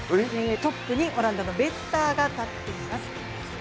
トップにオランダのベッターが立っています。